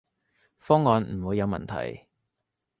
方案唔會有問題